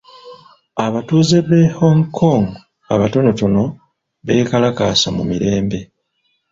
Abatuuze b'e Hong Kong abatonotono beekalakaasa mu mirembe.